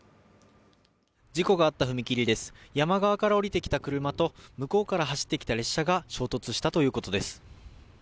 事故があった踏切です山側から降りてきた車と向こうから走ってきた列車が衝突したということです。